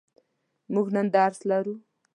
موږ نن درس لرو.